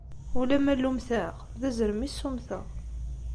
Ulamma llumteɣ d azrem i ssummteɣ.